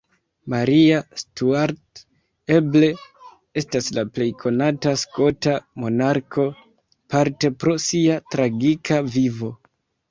Maria Stuart eble estas la plej konata skota monarko, parte pro sia tragika vivo.